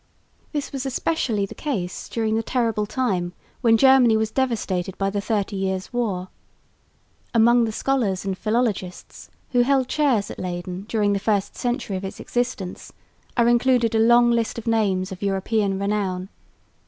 This was especially the case during the terrible time when Germany was devastated by the Thirty Years' War. Among the scholars and philologists, who held chairs at Leyden during the first century of its existence, are included a long list of names of European renown.